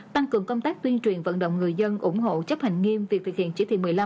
tăng cường công tác tuyên truyền vận động người dân ủng hộ chấp hành nghiêm việc thực hiện chỉ thị một mươi năm